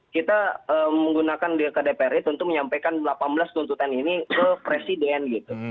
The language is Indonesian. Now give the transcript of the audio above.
kita menggunakan ke dpr ri tentu menyampaikan delapan belas tuntutan ini ke presiden gitu